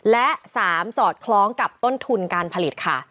และ๓สอดคล้องกับต้นทุนการผลิตค่ะ